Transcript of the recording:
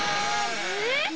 えっ！